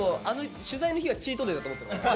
取材の日はチートデイだと思ってるから。